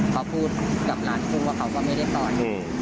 เขาพูดกับร้านกุ้งว่าเขาก็ไม่ได้ต่อย